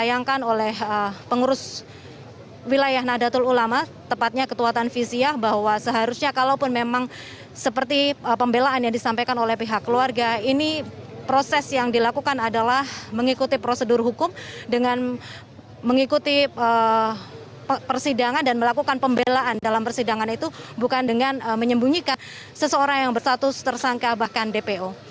yang mengikuti prosedur hukum dengan mengikuti persidangan dan melakukan pembelaan dalam persidangan itu bukan dengan menyembunyikan seseorang yang bersatu tersangka bahkan dpo